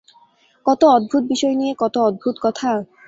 কত অদ্ভুত বিষয় নিয়ে কত অদ্ভুত কথা!